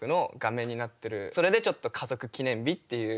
それでちょっと「家族記念日」っていう。